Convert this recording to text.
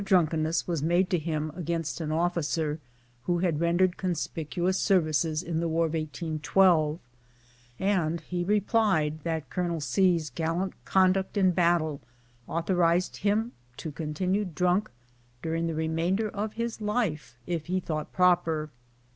247 drunkenness was made to him against an officer who had rendered conspicuous services in the war of 1812, and he re plied that Colonel C.'s gallant conduct in battle authorized him to continue drunk during the remainder of his life, if he thought proper.